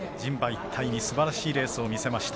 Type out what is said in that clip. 一体のすばらしいレースを見せました。